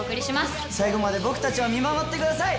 最後まで僕たちを見守ってください。